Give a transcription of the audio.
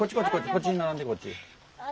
こっちに並んでこっち。